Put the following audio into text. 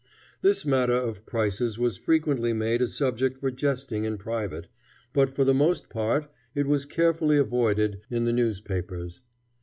This matter of prices was frequently made a subject for jesting in private, but for the most part it was carefully avoided in the newspapers.